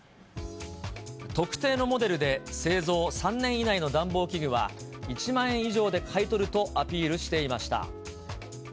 特定のモデルで、製造３年以内の暖房器具は、１万円以上で買い取るとアピールしていました。